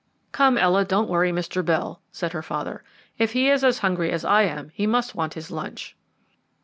"Come, Ella, don't worry Mr. Bell," said her father; "if he is as hungry as I am, he must want his lunch."